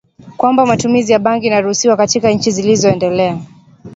kwamba matumizi ya bangi inaruhusiwa katika nchi zilizoendelea